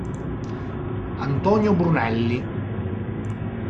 Antonio Brunelli